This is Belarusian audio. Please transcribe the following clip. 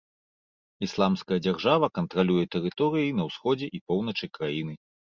Ісламская дзяржава кантралюе тэрыторыі на ўсходзе і поўначы краіны.